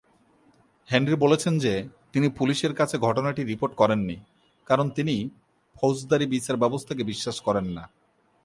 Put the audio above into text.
Henry বলেছেন যে তিনি পুলিশের কাছে ঘটনাটি রিপোর্ট করেননি কারণ তিনি ফৌজদারি বিচার ব্যবস্থাকে বিশ্বাস করেন না।